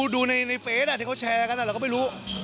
ดูในเฟสที่เขาแชร์กันเราก็ไม่รู้